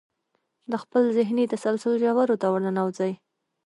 د خپل ذهني تسلسل ژورو ته ورننوځئ.